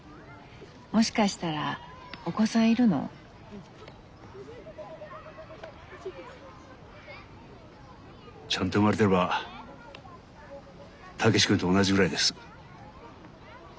もしかしたらお子さんいるの？ちゃんと産まれてれば武志君と同じぐらいです。